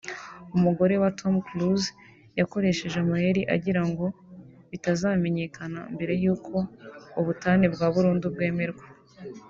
umugore wa Tom Cruise yakoresheje amayeli agirango bitazamenyekana mbere y’uko ubutane bwa burundu bwemerwa